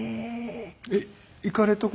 えっ行かれた事。